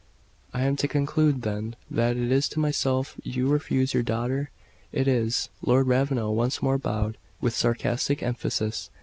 "I am to conclude, then, that it is to myself you refuse your daughter?" "It is." Lord Ravenel once more bowed, with sarcastic emphasis.